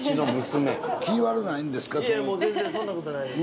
いえもう全然そんな事ないです。